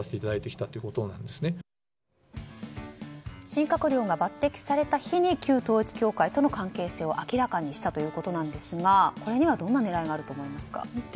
新閣僚が抜擢された日に旧統一教会との関係性を明らかにしたということですがこれにはどんな狙いがあると思いますか？